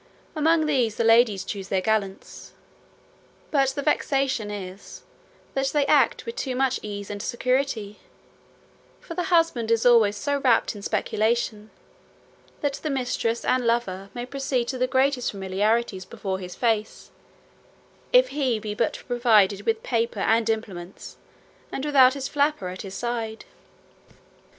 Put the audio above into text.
Among these the ladies choose their gallants: but the vexation is, that they act with too much ease and security; for the husband is always so rapt in speculation, that the mistress and lover may proceed to the greatest familiarities before his face, if he be but provided with paper and implements, and without his flapper at his side.